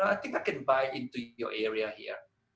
saya bisa membeli ke area anda di sini